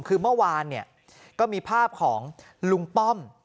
คือเมื่อวานเนี่ยก็มีภาพของลุงป้อม